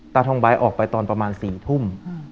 ตาทองใบออกไปตอนประมาณ๔ทุ่ม